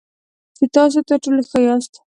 چې تاسو تر ټولو ښه یاست .